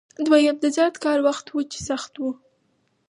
دویم د زیات کار وخت و چې سخت و.